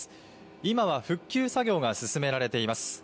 今は復旧作業が進められています。